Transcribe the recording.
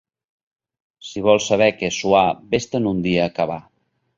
Si vols saber què és suar, ves-te'n un dia a cavar.